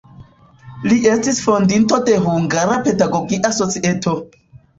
Li estis fondinto de "Hungara Pedagogia Societo".